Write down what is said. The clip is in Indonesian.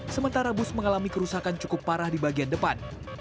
sementara bus mengalami kerusakan cukup parah di bagian depan